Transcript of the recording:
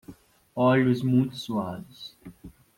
Olhos muito suaves